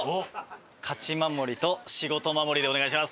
勝守と仕事守でお願いします。